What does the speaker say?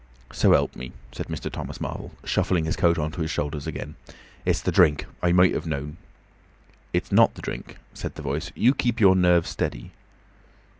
"So help me," said Mr. Thomas Marvel, shuffling his coat on to his shoulders again. "It's the drink! I might ha' known." "It's not the drink," said the Voice. "You keep your nerves steady."